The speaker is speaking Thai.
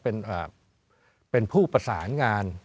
เป็นผู้ประสานงาน